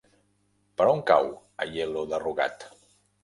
Per on cau Aielo de Rugat?